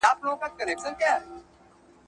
د سولي تړونونه د جګړو د پای ته رسولو لپاره دي.